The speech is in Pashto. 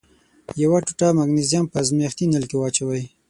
یوه ټوټه مګنیزیم په ازمیښتي نل کې واچوئ.